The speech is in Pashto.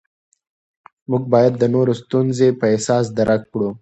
موږ باید د نورو ستونزې په احساس درک کړو